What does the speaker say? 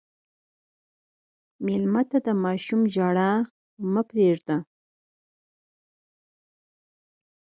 مېلمه ته د ماشوم ژړا مه پرېږده.